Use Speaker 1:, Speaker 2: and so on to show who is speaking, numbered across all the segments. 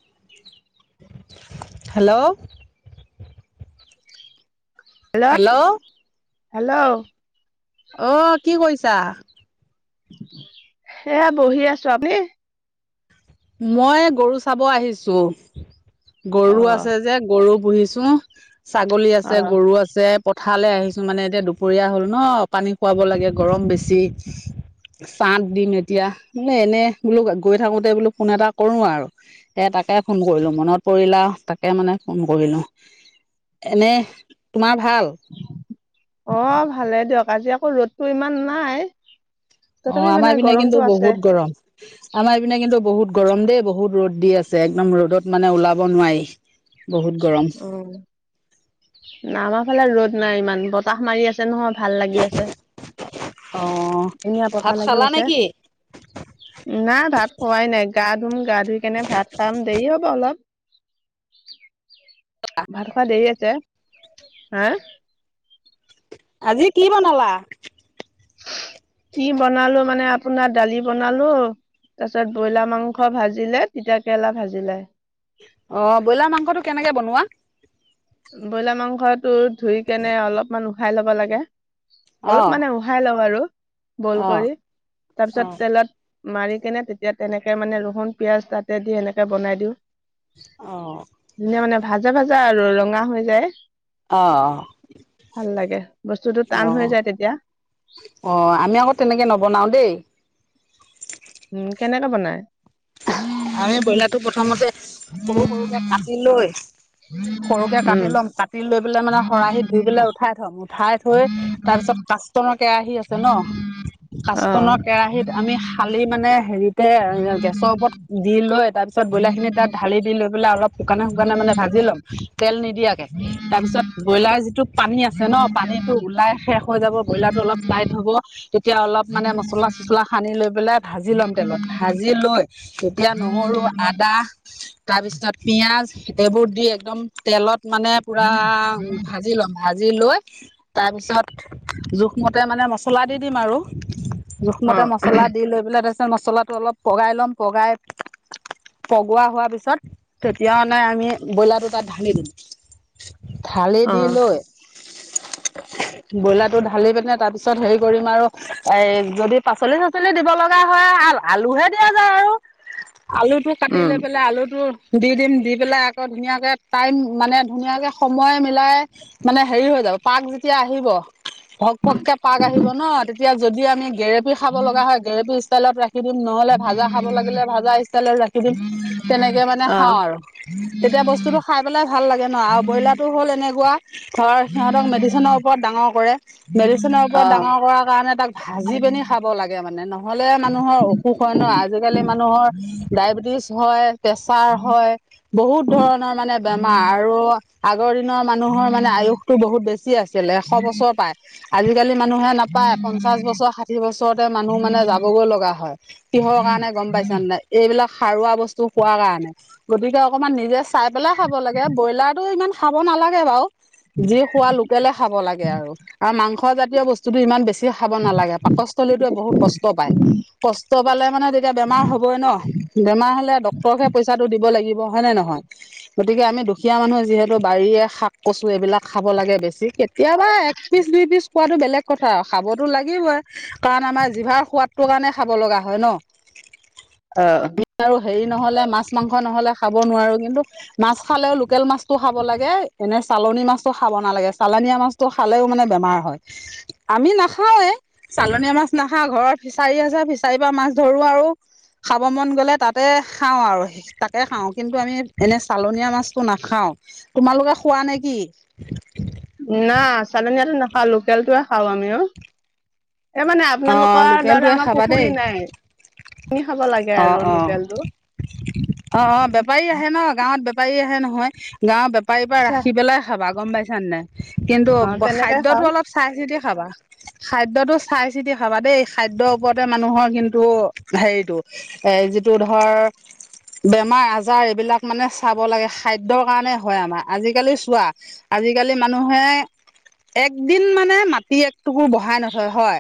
Speaker 1: [inaudible]
Speaker 2: Hello. Hello.
Speaker 1: Hello.
Speaker 2: আহ কি কইছা?
Speaker 1: হেয়া বহি আছো আপুনি?
Speaker 2: মই গৰু চাব আহিছো
Speaker 1: অ
Speaker 2: গৰু আছে যে গৰু পুহিছো ছাগলী
Speaker 1: অ
Speaker 2: আছে, গৰু আছে পথাৰলৈ আহিছো মানে এতিয়া দুপৰীয়া হ'ল ন পানী খোৱাব লাগে গৰম বেছি। চাঁত দিম এতিয়া মানে এনে বোলো গৈ থাকোতে বোলো ফোন এটা কৰো আৰু এ তাকে ফোন কৰিলো মনত পৰিলে তাকে মানে ফোন কৰিলো। এনে তোমাৰ ভাল
Speaker 1: অ', ভালেই দিয়ক আজি আকৌ ৰ'দটো ইমান নাই।
Speaker 2: অ',
Speaker 1: তথাপি মানে
Speaker 2: আমাৰ পিনে কিন্তু
Speaker 1: গৰমটো আছে
Speaker 2: বহুত গৰম আমাৰ পিনে কিন্তু বহুত গৰম দেই বহুত ৰ'দ দি আছে, একদম ৰ'দত মানে ওলাব নোৱাৰি। বহুত গৰম।
Speaker 1: উম', আমাৰ ফালে ৰ'দ নাই ইমান বতাহ মাৰি আছে নহয় ভাল লাগি আছে।
Speaker 2: অঁ
Speaker 1: সেয়া
Speaker 2: ভাত
Speaker 1: বতাহ লাগি
Speaker 2: খালা
Speaker 1: আছে।
Speaker 2: নেকি?
Speaker 1: নাই ভাত খোৱাই নাই। গা ধুম, গা ধুই কেনে ভাত খাম, দেৰি হ'ব অলপ। ভাত খোৱা দেৰি আছে হা?
Speaker 2: আজি কি বনালা?
Speaker 1: কি বনালোঁ মানে আপোনাৰ ডালি বনালোঁ। তাৰপিছত বইলাৰ মাংস ভাজিলে, তিতা কেৰেলা ভাজিলে।
Speaker 2: অ' বইলাৰ মাংসটো কেনেকে বনোৱা?
Speaker 1: বইলাৰ মাংসটো ধুই কেনে অলপমান উহাই ল'ব লাগে। অলপ
Speaker 2: অঁ
Speaker 1: মানে উহাই লওঁ আৰু বইল
Speaker 2: অঁ
Speaker 1: কৰি
Speaker 2: অঁ
Speaker 1: তাৰপিছত তেলত মাৰি কেনে তেতিয়া তেনেকে মানে ৰহুন, পিয়াজ তাতে দি এনেকে বনাই দিওঁ।
Speaker 2: অ'।
Speaker 1: ধুনীয়া মানে ভাজা ভাজা আৰু ৰঙা হৈ যায়।
Speaker 2: অ'।
Speaker 1: ভাল লাগে। বস্তুটো টান হৈ
Speaker 2: অ'।
Speaker 1: যায় তেতিয়া
Speaker 2: অ' আমি আকৌ তেনেকে নবনাও দেই।
Speaker 1: উম' কেনেকে বনাই?
Speaker 2: আমি বইলাটো প্ৰথমতে সৰু সৰুকে কাটি লৈ সৰুকে কাটি
Speaker 1: উম
Speaker 2: লম, কাটি লৈ পেলাই মানে শৰাহিত ধুই পেলাই উঠাই থ'ম, উঠাই থৈ তাৰ পিছত কাষ্টনৰ কেৰাহী আছে ন'
Speaker 1: অ
Speaker 2: কাষ্টনৰ কেৰাহীত আমি খালি মানে হেৰি [unintelligible] দেত দি লৈ তাৰপিছত বইলাৰখিনি তাত ঢালি দি লৈ পেলাই অলপ শুকানে শুকানে মানে ভাজি ল'ম, তেল নি নিদিয়াকে, তাৰপিছত বইলাৰ যিটো পানী আছে ন' পানীটো ওলাই শেষ হৈ যাব, ব্ৰইলাৰটো অলপ টাইট হ'ব তেতিয়া অলপ মানে মছলা চচলা সানি লৈ পেলাই ভাজি ল'ম তেলত, ভাজি লৈ তেতিয়া নহৰু, আদা তাৰপিছত পিয়াজ এইবোৰ দি একদম তেলত মানে পুৰা ভাজি ল'ম। ভাজি লৈ তাৰপিছত জোখমতে মানে মছলা দি দিম আৰু।
Speaker 1: অ
Speaker 2: জোখমতে মছলা দি লৈ পেলাই তাৰপিছত মছলাটো অলপ পগাই ল'ম পগাই পগোৱা হোৱাৰ পিছত তেতিয়া মানে আমি ব্ৰইলাৰটো তাত ঢালি দিম। ঢালি
Speaker 1: অ
Speaker 2: দি লৈ ব্ৰইলাৰটো ঢালি পিনে তাৰ পিছত হেৰি কৰিম আৰু এ, যদি পাচলি চাচলি দিব লগা হয়, আলুহে দিয়া যায় আৰু আলুটো কাটি
Speaker 1: উম
Speaker 2: লৈ পেলাই আলুটো দি দিম, দি পেলাই আকৌ ধুনীয়াকে টাইম মানে ধুনীয়াকে সময় মিলাই মানে হেৰি হৈ যায়। এপাক যেতিয়া আহিব পক পককে পাক আহিব ন' তেতিয়া যদি আমি গেৰেপি খাব লগা হয় গেৰেপি ষ্টাইলত ৰাখি ৰাখি দিম, নহ'লে ভাজা খাব লাগিলে ভাজা ষ্টাইলত ৰাখি দিম, তেনেকে মানে
Speaker 1: অ
Speaker 2: খাওঁ আৰু। তেতিয়া বস্তুতটো খাই পেলাই ভাল লাগে ন' আৰু ব্ৰইলাৰটো হ'ল এনেকুৱা ধৰ সিহঁতক মেডিচিনৰ ওপৰত ডাঙৰ কৰে, মেডিচিনৰ
Speaker 1: অ
Speaker 2: ওপৰত ডাঙৰ কৰাৰ কাৰণে তাক ভাজি কণী খাব লাগে মানে, নহ'লে মানুহৰ অসুখ হয় ন খালি মানুহৰ ডায়েবেটিছ হয় প্ৰেচাৰ হয়, বহুত ধৰণৰ মানে বেমাৰ আৰু আগৰ দিনৰ মানুহৰ মানে আয়ুসটো বহুত বেছি আছিলে, এশ বছৰ পায়, আজিকালি মানুহে নাপায়। পঞ্চাশ বছৰ, ষাঠি বছৰতে মানুহ মানে যাবগৈ লগা হয়, কিহৰ কাৰণে গম পাইছা নে নাই, এইবিলাক সাৰুৱা বস্তু খোৱা কাৰণে। গতিকে অকমান নিজে চাই পেলাই খাব লাগে, ব্ৰইলাৰটো ইমান খাব না নালাগে বাৰু। জেই খোৱা লোকেলে খাব লাগে আৰু। আৰু মাংসজাতিয় বস্তুটো ইমান বেছি খাব নালাগে, পাকস্থলীতে বহুত কষ্ট পায়, কষ্ট পালে মানে তেতিয়া বেমাৰ হ'বই ন' বেমাৰ হলে ডক্তৰকহে পইচাটো দিব লাগিব হয়ে নে নহয়? গতিকে আমি দুখীয়া মানুহে যিহেতু বাৰীয়ে শাক কচুঁ এইবিলাক খাব লাগে বেছি। এয় পা এক পিচ দুই পিচ। খোৱাতটো বেলেগ কথা খাবতো লাগিবই, কাৰণ আমাৰ জিভাৰ সোৱাদটোৰ কাৰণে খাব লগা হয় ন।
Speaker 1: অ
Speaker 2: ভিটল হেৰি নহ'লে মাছ। মাছ, মাংস নহ'লে খাব নোৱাৰো, কিন্তু মাছ খালেও লোকেল মাছটো খাব লাগে এনে চালনী মাছটো খাব নালাগে, চালনিয়া মাছটো খালেও মানে বেমাৰ হয়, আমি নাখাওঁৱে চালনিয়া মাছ নাখা ঘৰৰ ফিচাৰী আছে ফিচাৰীৰ পৰা মাছ ধৰু আৰু খাব মন গ'লে তাতে খাওঁ, আৰু তাকে খাওঁ কিন্তু আমি এনে চালানি চালনিয়া মাছ নাখাওঁ, তোমালোকে খোৱা নেকি?
Speaker 1: না চালনীয়াটো নাখাওঁ, লোকেলটোৱে খাওঁ আমি অ'। এই মানে
Speaker 2: অ
Speaker 1: আপোনালোকৰ দৰে
Speaker 2: লোকেলটোৱে
Speaker 1: আমাৰ
Speaker 2: খাবা দেই
Speaker 1: পুখুৰী নাই। কিনি খাব লাগে আৰু
Speaker 2: অ' অ'
Speaker 1: লোকেলটো
Speaker 2: অ' অ' বেপাৰী আহে ন গাঁৱত বেপা বেপাৰী আহে নহয়, গাঁৱৰ বেপাৰীৰ পৰা
Speaker 1: চা
Speaker 2: ৰাখি পেলাই খাবা গ'ম পাইছা নে নাই। কিন্তু
Speaker 1: অ তেনেকে
Speaker 2: খাদ্যতো
Speaker 1: খাওঁ
Speaker 2: অলপ চাই চিন্তি খাবা খাদ্যতটো চাই চিন্তি খাবা দেই খাদ্যৰ ওপৰতে মানুহৰ কিন্তু হেৰিতটো এ যিটো ধৰ। বেমাৰ আজাৰ এইবিলাক মানে চাব লাগে খাদ্যৰ কাৰণে হয় আমাৰ আজিকালি চোৱা। আজিকালি মানুহে একদিন মানে মাটি টুকুৰ বহাই নথয় হয়,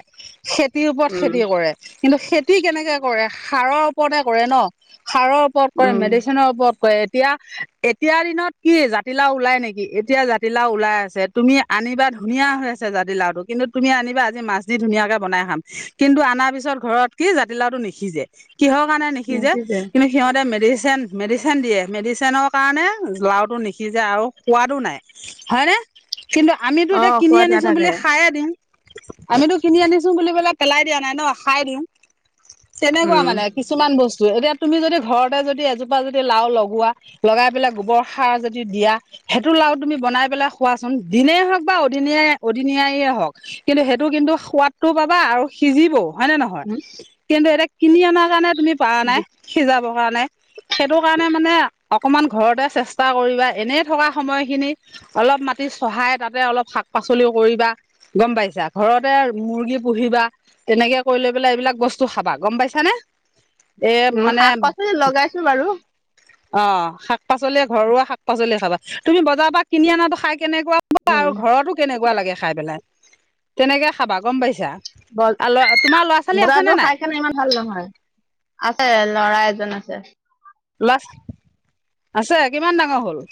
Speaker 2: খেতিৰ ওপৰত
Speaker 1: উম
Speaker 2: খেতি কৰে, কিন্তু খেতি কেনেকে কৰে। সাৰৰ ওপৰতে কৰে ন সাৰৰ ওপৰত কৰে,
Speaker 1: উম
Speaker 2: মেডিচিনৰ ওপৰত কৰে। এতিয়া, এতিয়াাৰ দিনত কি জাতিলাও ওলাই নেকি এতিয়া জাতিলাও ওলাই আছে তুমি আনিবা। ধুনীয়া হৈ আছে জাতি লাওটো, কিন্তু তুমি আনিবা আজি মাছ দি ধুনীয়াকে বনাই খাম। কিন্তু অনাৰ পিছত ঘৰত কি জাতিলাওটো নিসিজে, কিহৰ কাৰণে নিসিজে, কিন্তু সিহতে মেডিচিন মেডিচিন দিয়ে, মেডিচিনৰ কাৰণে লাওটো নিসিজে আৰু সোৱাদো নাই, হয়নে? কিন্তু আমিতো
Speaker 1: অ
Speaker 2: এতিয়া কিনি
Speaker 1: সোৱাদ
Speaker 2: আনিছো
Speaker 1: নাথাকে।
Speaker 2: বুলি খাই দিম। আমিতো কিনি আনিছো বুলি পেলা পেলাই দিয়া নাই ন খাই দিওঁ তেনেকুৱা।
Speaker 1: উম।
Speaker 2: মানে কিছুমান বস্তু এতিয়া। তুমি যদি ঘৰতে যদি এজোপা যদি লাও লগোৱা লগাই পেলাই গোবৰ সাৰ যদি দিয়া সেইটো। তুমি বনাই পেলাই খোৱাচোন দিনেই হওঁক বা অদিন অদিনিয়াই হওঁক। কিন্তু সেইটো কিন্তু সোৱাদ। সোৱাদটোও পাবা আৰু সিজিবও হয় নে নহয়। কিন্তু, এতিয়া কিনি আনা কাৰণে তুমি পাৰা নাই সিজাবৰ কাৰণে সেইটো কাৰণে মানে। অকমান ঘৰতে চেষ্টা কৰিবা এনেই থকা সময়খিনি অলপ মাটি চহাই তাতে অলপ। শাক পাচলি কৰিবা গ'ম পাইছা, ঘৰতে মুৰ্গী পুহিবা। তেনেকে কৰি লৈ পেলাই এইবিলাক বস্তু খাবা গ'ম পাইছানে। এই
Speaker 1: উম
Speaker 2: মানে।
Speaker 1: শাক পাচলি লগাইছো বাৰু।
Speaker 2: অ' শাক পাচলি ঘৰুৱা শাক পাচলি খাবা, তুমি বজাৰৰ পৰা কিনি আনাতো খাই। কেনেকুৱা হয়
Speaker 1: উম।
Speaker 2: আৰু ঘৰতো কেনেকুৱা লাগে খাই পেলাই তেনেকে খাবা গ'ম পাইছা।
Speaker 1: ব
Speaker 2: আৰু তোমাৰ ল'ৰা ছোৱালী আছে নে
Speaker 1: বজাৰটো
Speaker 2: নাই
Speaker 1: খাই কেনে ইমান ভাল। ভাল নহয় আছে ল'ৰা এজন আছে।
Speaker 2: ল'ৰা আছে কিমান ডাঙৰ হ'ল।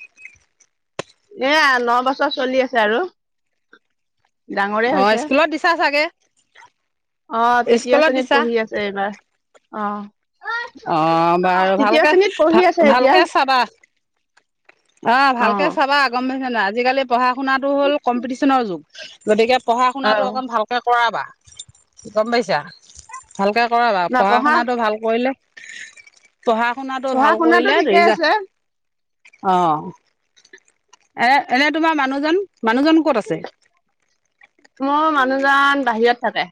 Speaker 1: এয়া ন বছৰ চলি আছে আৰু। ডাঙৰে
Speaker 2: অ'
Speaker 1: হৈছে।
Speaker 2: স্কুলত দিছা চাগে।
Speaker 1: অ' তৃতীয়
Speaker 2: স্কুলত
Speaker 1: শ্ৰেণীত
Speaker 2: দিছা
Speaker 1: পঢ়ি আছে এইবাৰ অ'।
Speaker 2: অ' বাৰু
Speaker 1: তৃতীয়
Speaker 2: ভালকে
Speaker 1: শ্ৰেণীত পঢ়ি আছে এতিয়া।
Speaker 2: ভালকে চাবা। অ' ভালকে চাবা গ'ম পাইছানে। আজিকালি পঢ়া শুনাটো হ'ল কম্পিটিচনৰ যুগ গতিকে। পঢ়া
Speaker 1: অ
Speaker 2: শুনাটো অকণ ভালকৈ কৰাবা গ'ম পাইছা। ভালকৈ কৰাবা পঢ়া শুনাটো ভাল কৰিলে। পঢ়া শুনাটো
Speaker 1: পঢ়া
Speaker 2: ভাল
Speaker 1: শুনাতো
Speaker 2: কৰিলে
Speaker 1: ঠিকে আছে
Speaker 2: ৰিজাল্ট। অ' এ এনে তোমাৰ মানুহজন মানুহজন ক'ত আছে।
Speaker 1: মানুহ জন বাহিৰত থাকে।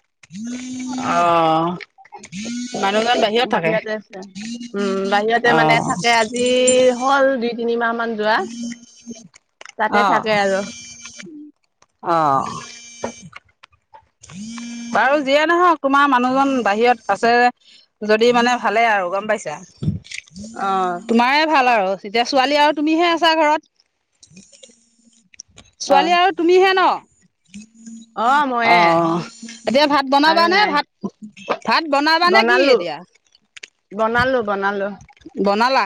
Speaker 2: অ মানুহজন
Speaker 1: বাহিৰতে আছে।
Speaker 2: বাহিৰত
Speaker 1: উম বাহিৰতে মানে
Speaker 2: থাকে
Speaker 1: আজি হ'ল দুই তিনিমাহ
Speaker 2: অ
Speaker 1: মান যোৱা তাতে
Speaker 2: অ
Speaker 1: থাকে আৰু।
Speaker 2: অঁ বাৰু যিয়ে নহওক তোমাৰ মানুহজন বাহিৰত আছে যদি মানে ভালে আৰু গম পাইছা
Speaker 1: অ',
Speaker 2: তোমাৰে ভাল আৰু তেতিয়া ছোৱালী আৰু তুমিহে আছা ঘৰত
Speaker 1: অ',
Speaker 2: ছোৱালী আৰু তুমিহে ন
Speaker 1: অ ময়ে
Speaker 2: এতিয়া ভাত বনাব
Speaker 1: আৰু
Speaker 2: নে
Speaker 1: নাই
Speaker 2: ভাত ভাত বনাবানে কি
Speaker 1: বনালো
Speaker 2: এতিয়া
Speaker 1: বনালো বনালো
Speaker 2: বনালা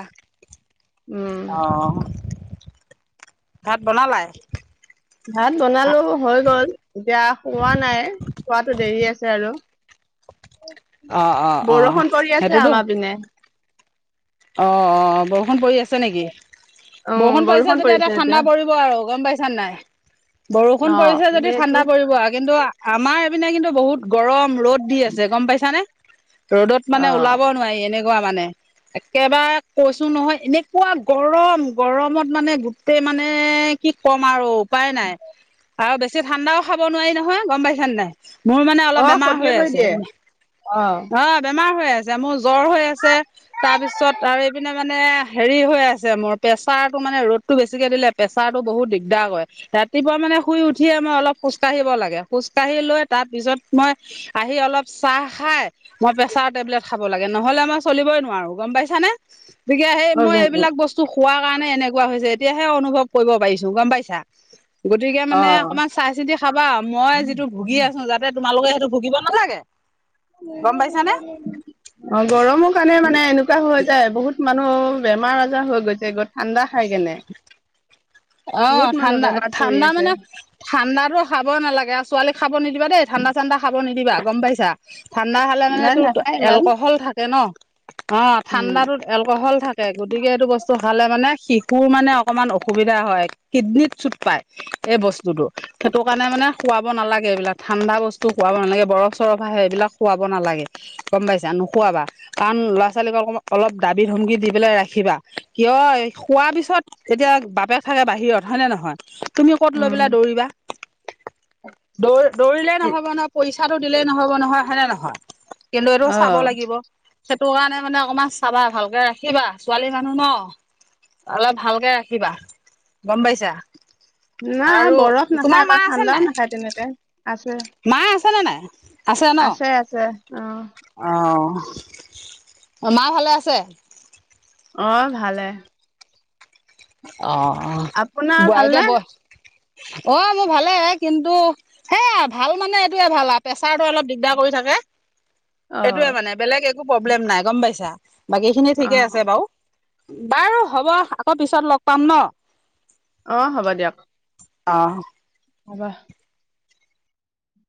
Speaker 1: উম,
Speaker 2: অ ভাত বনালাই
Speaker 1: ভাত বনালো হৈ গ'ল এতিয়া খোৱা নাই খোৱাটো দেৰি আছে আৰু
Speaker 2: অ অ অ
Speaker 1: বৰষুণ পৰি আছে
Speaker 2: সেইটোতো
Speaker 1: আমাৰ পিনে
Speaker 2: অ অ বৰষুণ পৰি আছে নেকি বৰষুণ পৰিছে যেতিয়া এতিয়া ঠাণ্ডা পৰিব আৰু গম পাইছা নাই বৰষুণ
Speaker 1: অ',
Speaker 2: পৰিছে যদি
Speaker 1: যিহেতু
Speaker 2: ঠাণ্ডা পৰিব কিন্তু আমাৰ এইপিনে কিন্তু বহুত গৰম ৰ'দ দি আছে গম পাইছানে ৰ'দত মানে
Speaker 1: অ',
Speaker 2: ওলাব নোৱাৰি এনেকুৱা মানে একেবাৰে কৈছো নহয় এনেকুৱা গৰম গৰমত মানে গোটেই মানে কি ক'ম আৰু উপায় নাই আৰু বেছি ঠাণ্ডাও খাব নোৱাৰি নহয় গম পাইছান নাই মোৰ মানে অলপ
Speaker 1: অ',
Speaker 2: বেমাৰ
Speaker 1: ক্ষতি
Speaker 2: হৈ
Speaker 1: কৰি
Speaker 2: আছে
Speaker 1: দিয়ে
Speaker 2: অ বেমাৰ হৈ আছে মোৰ জ্বৰ হৈ আছে তাৰপিছত আৰু এইপিনে মানে হেৰি হৈ আছে মোৰ প্ৰেছাৰটো মানে ৰ'দতটো বেছিকে দিলে প্ৰেছাৰতটো বহুত দিগদাৰ কৰে ৰাতিপুৱা মানে শুই উঠিয়ে আমাৰ অলপ খোজকাঢ়িব লাগে খোজ কাঢ়ি লৈ তাৰ পিছত মই আহি অলপ চাহ খাই মই প্ৰেচাৰ টেবলেট খাব লাগে নহলে মই চলিবই নোৱাৰো গম পাইছা নে গতিকে সেই
Speaker 1: অ',
Speaker 2: মই এইবিলাক বস্তু খোৱা কাৰণে এনেকুৱা হৈছে এতিয়াহে অনুভৱ কৰিব পাৰিছো গম পাইছা গতিকে মানে
Speaker 1: অ',
Speaker 2: অকণমান চাই চিতি খাবা মই যিটো ভুগি আছো যাতে তোমালোকে সেইটো ভুগিব নালাগে গম পাইছানে
Speaker 1: অ গৰমৰ কাৰণে মানে এনেকুৱা হৈ যায় বহুত মানুহৰ বেমাৰ আজাৰ হৈ গৈছে গৈ ঠাণ্ডা খাই কেনে
Speaker 2: অ
Speaker 1: বহুত মানুহ
Speaker 2: ঠাণ্ডা
Speaker 1: বেমাৰত পৰি
Speaker 2: ঠাণ্ডা
Speaker 1: আছে
Speaker 2: মানে ঠাণ্ডাতো খাব নালাগে আৰু ছোৱালীক খাব নিদিবা দেই ঠাণ্ডা চা ঠাণ্ডা খাব নিদিবা গম পাইছা ঠাণ্ডা খালে মানে
Speaker 1: নাই
Speaker 2: এটোত
Speaker 1: নাখায় ইমান
Speaker 2: এলকহল থাকে ন অ
Speaker 1: উম,
Speaker 2: ঠাণ্ডাতোত এলকহল থাকে গতিকে এইটো বস্তু খালে মানে শিশুৰ মানে অকমান অসুবিধা হয় কিডনত চুট পায় এই বস্তুতটো সেইটো কাৰণে মানে খুৱাব নালাগে এইবিলাক ণ্ডা বস্তু খুৱাব নালাগে বৰফ চৰফ আহে এইবিলাক খুৱাব নালাগে নোখোৱাবা ল'ৰা ছোৱালীক অলপ দাবী ধমকি দি পেলাই ৰাখিবা কিয় খোৱাৰ পিছত এতিয়া বাপেক থাকে বাহিৰত হয়নে নহয় তুমি ক'ত লৈ
Speaker 1: উম।
Speaker 2: পেলাই দৌৰিবা দৌ দৌৰিলেই নহব নহয় পইচাটো দিলেই নহব নহয় হয় নে নহয় কিন্তু এইটো
Speaker 1: অ
Speaker 2: চাব লাগিব সেইটো কাৰণে মানে অকমান চাবা ভালকে ৰাখিবা ছোৱালী মানুহ ন অলপ ভালকে ৰাখিবা গম পাইছা
Speaker 1: না
Speaker 2: আৰু
Speaker 1: বৰফ
Speaker 2: তোমাৰ
Speaker 1: নাখায়
Speaker 2: মা
Speaker 1: তাই
Speaker 2: আছে
Speaker 1: ঠাণ্ডাও
Speaker 2: নাই
Speaker 1: নাখায় তেনেকে আছে
Speaker 2: মা আছে ন নাই আছে ন
Speaker 1: আছে অ
Speaker 2: অ অ মা ভালে আছে
Speaker 1: অহ ভালে
Speaker 2: [unintelligible] অ
Speaker 1: আপোনাৰ ভালনে
Speaker 2: মোৰ ভালে কিন্তু সেয়া ভাল মানে এইটয়ে ভাল আৰু প্ৰেছাৰটো অলপ দিগদাৰ কৰি থাকে
Speaker 1: অ
Speaker 2: এইটোৱে মানে বেলেগ একো প্ৰব্লেম নাই গম পাইছা বাকী খিনি
Speaker 1: অ
Speaker 2: ঠিকে আছে বাৰু বাৰু হ'ব আকৌ পিছত লগ পাম ন
Speaker 1: অ হ'ব দিয়ক
Speaker 2: অ
Speaker 1: অ বাহ